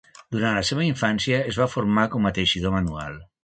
Durant la seva infància es va formar com a teixidor manual.